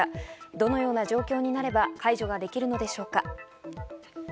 どのような状況になれば解除ができるのでしょうか。